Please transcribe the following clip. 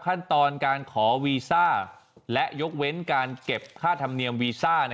ขั้นตอนการขอวีซ่าและยกเว้นการเก็บค่าธรรมเนียมวีซ่า